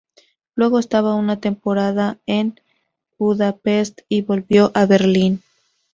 Luego estuvo una temporada en Budapest y volvió a Berlín.